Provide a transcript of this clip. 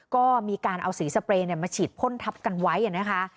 ก็มีการเอาสีสเปรย์มาฉีดพ่นทับกันไว้นะคะ